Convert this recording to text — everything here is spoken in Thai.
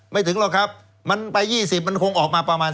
ถึงหรอกครับมันไป๒๐มันคงออกมาประมาณ